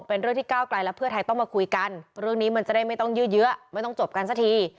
เป็นเรื่องที่ก้าวไกลและเพื่อไทยต้องมาคุยกันเรื่องนี้มันจะได้ไม่ต้องยืดเยอะไม่ต้องจบกันสักที